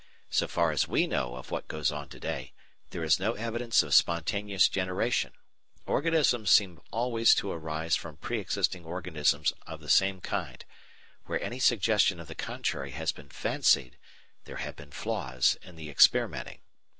So far as we know of what goes on to day, there is no evidence of spontaneous generation; organisms seem always to arise from pre existing organisms of the same kind; where any suggestion of the contrary has been fancied, there have been flaws in the experimenting.